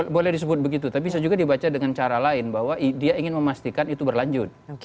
boleh disebut begitu tapi bisa juga dibaca dengan cara lain bahwa dia ingin memastikan itu berlanjut